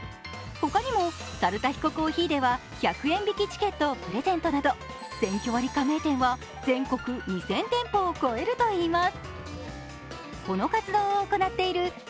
他にも、猿田彦珈琲では１００円引きチケットをプレゼントなどセンキョ割加盟店は全国２０００店舗を超えるといいます。